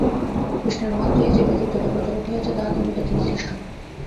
কৃষ্ণের মাহাত্ম্য এই যে, বেদের যত প্রচারক হইয়াছেন, তাঁহাদার মধ্যে তিনি শ্রেষ্ঠ।